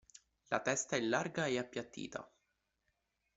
La testa è larga e appiattita.